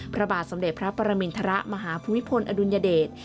พระบาทสมเด็จพระปรมินทรมาหาภูมิพลอดุลยเดช